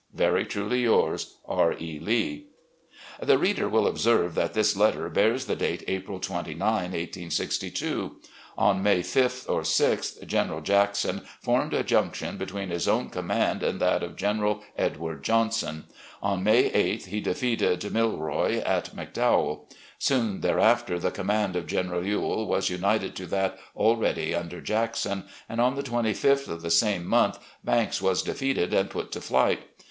"'Very truly yours, "'R. E, Lee.' "The reader will observe that this letter bears the date 'April 29, 1862.' On May 5th or 6th, General Jackson formed a junction between his own command and that of General Edward Johnson; on May 8th, he defeated Milroy ARMY LIFE OF ROBERT THE YOUNGER 73 at McDowell. Soon thereafter, the command of General Ewell was tinited to that already under Jackson, and on the 25th of the same month Banks was defeated and put to flight.